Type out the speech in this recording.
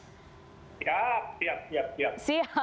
siap siap siap